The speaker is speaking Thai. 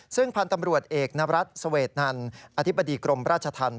ซึ่งพันธ์ตำรวจเอกนรัฐเสวดนันอธิบดีกรมราชธรรม